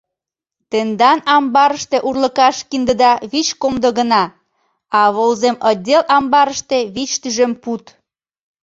— Тендан амбарыште урлыкаш киндыда вич комдо гына, а волземотдел амбарыште — вич тӱжем пуд.